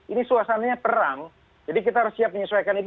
ini suasananya terang jadi kita harus siap menyesuaikan itu